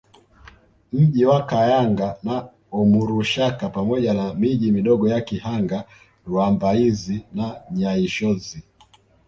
Mji wa Kayanga na Omurushaka pamoja na miji midogo ya Kihanga Rwambaizi na Nyaishozi